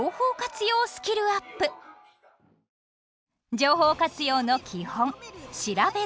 情報活用の基本「しらべる」